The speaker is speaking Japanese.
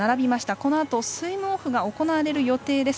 このあとスイムオフが行われる予定です。